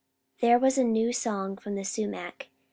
There was a new song from the sumac.